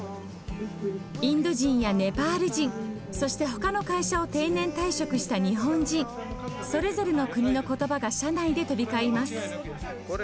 インド人やネパール人そしてほかの会社を定年退職した日本人それぞれの国の言葉が社内で飛び交います。